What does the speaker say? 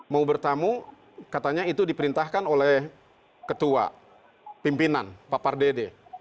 mau bertamu katanya itu diperintahkan oleh ketua pimpinan pak pardede